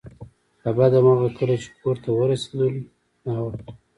له بده مرغه کله چې کور ته ورسیدل ناوخته و